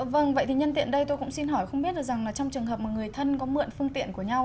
vâng vậy thì nhân tiện đây tôi cũng xin hỏi không biết được rằng là trong trường hợp mà người thân có mượn phương tiện của nhau